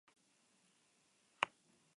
Se encuentra en el Parque Nacional Fray Jorge.